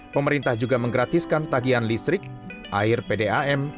pemerintah juga menggratiskan tagihan listrik air pdam